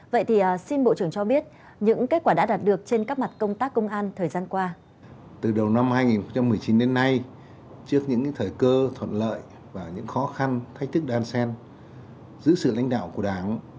vậy thì xin bộ trưởng cho biết những kết quả đã đạt được trên các mặt công tác công an thời gian qua